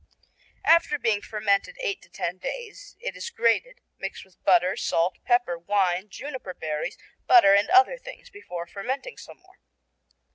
After being fermented eight to ten days it is grated, mixed with butter, salt, pepper, wine, juniper berries, butter and other things, before fermenting some more.